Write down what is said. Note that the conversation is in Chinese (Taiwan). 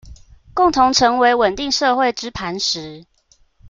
共同成為穩定社會之磐石